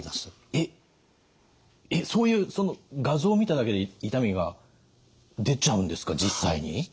えっそういうその画像を見ただけで痛みが出ちゃうんですか実際に？